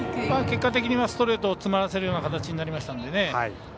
結果的にはストレートを詰まらせる形になりましたので。